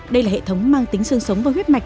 đây là hệ thống mang tính sương sống và huyết mạch